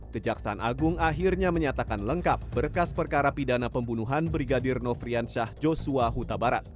kejaksaan agung akhirnya menyatakan lengkap berkas perkara pidana pembunuhan brigadir nofrian syah joshua huta barat